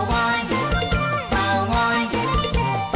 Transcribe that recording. เอาไว้กันเลยค่ะเอาไว้กันเลยค่ะ